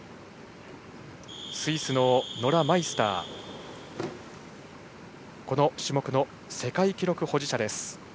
スイスのノラ・マイスターはこの種目の世界記録保持者です。